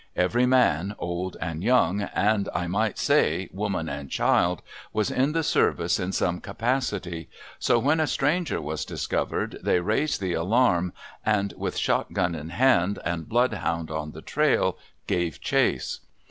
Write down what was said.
Every man, old and young, and, I might say, woman and child, was in the service in some capacity. So when a stranger was discovered they raised the alarm, and with shotgun in hand and blood hound on the trail, gave chase.